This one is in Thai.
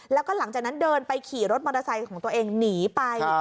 แล้วก็หลังจากนั้นเดินไปขี่รถมอเตอร์ไซค์ของตัวเองหนีไป